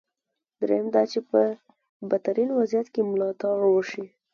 درېیم دا چې په بدترین وضعیت کې ملاتړ وشي.